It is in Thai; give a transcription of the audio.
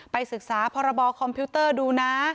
ศึกษาพรบคอมพิวเตอร์ดูนะ